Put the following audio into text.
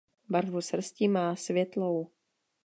Barvu srsti má světlou.